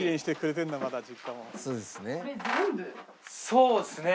そうですね。